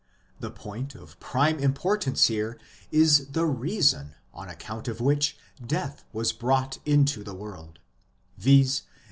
The point of prime importance here is the reason on account of which death was brought into the world, viz.